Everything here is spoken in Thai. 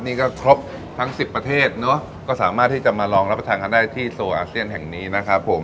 นี่ก็ครบทั้งสิบประเทศเนอะก็สามารถที่จะมาลองรับประทานกันได้ที่โซอาเซียนแห่งนี้นะครับผม